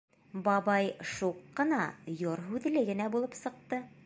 Бабай шуҡ ҡына, йор һүҙле генә булып сыҡты.